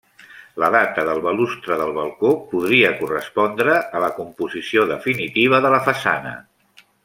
La data del balustre del balcó podria correspondre a la composició definitiva de la façana.